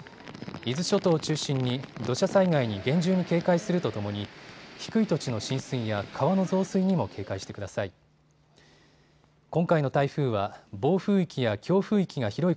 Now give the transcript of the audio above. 伊豆諸島を中心に土砂災害に厳重に警戒するとともに低い土地の浸水や川の増水にも警戒してください。